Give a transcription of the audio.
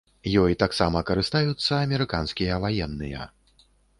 Ёй таксама карыстаюцца амерыканскія ваенныя.